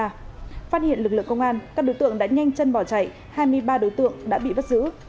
phát hiện lực lượng công an các đối tượng đã nhanh chân bỏ chạy hai mươi ba đối tượng đã bị bắt giữ